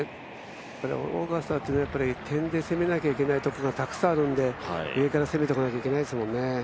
オーガスタというのは点で攻めなきゃいけないところがたくさんあるので、上から攻めてこなきゃいけないですもんね。